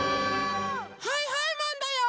はいはいマンだよ！